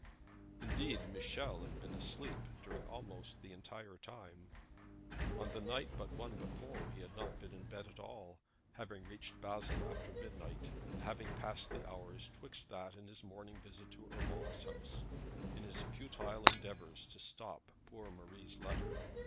Indeed Michel had been asleep during almost the entire time. On the night but one before he had not been in bed at all, having reached Basle after midnight, and having passed the hours 'twixt that and his morning visit to Urmand's house in his futile endeavours to stop poor Marie's letter.